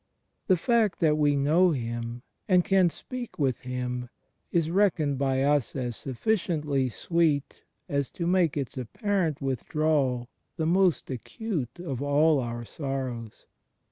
The fact that we know Him and can speak with Him is reckoned by us as sufficiently sweet as to make its apparent withdrawal the most acute of all our sorrows.